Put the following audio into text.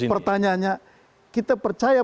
pertanyaannya kita percaya